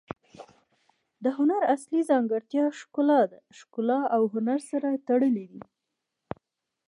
د هنر اصلي ځانګړتیا ښکلا ده. ښګلا او هنر سره تړلي دي.